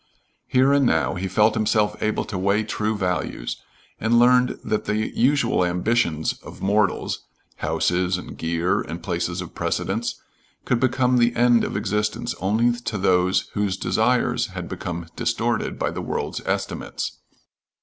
Here and now, he felt himself able to weigh true values, and learned that the usual ambitions of mortals houses and gear and places of precedence could become the end of existence only to those whose desires had become distorted by the world's estimates.